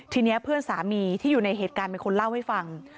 ทีนี้เพื่อนสามีที่อยู่ในเหตุการณ์เป็นคนเล่าให้ฟัง